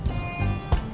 nanti bisa ikut ketemu